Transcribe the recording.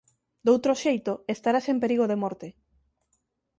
doutro xeito estarás en perigo de morte.